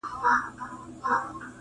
د کښتۍ مخي ته پورته سول موجونه؛